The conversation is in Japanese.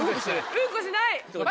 うんこしない！